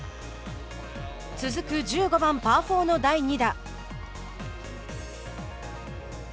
続く１５番パー４の第２打。